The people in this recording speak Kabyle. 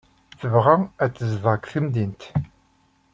Tebɣa ad tezdeɣ deg temdint.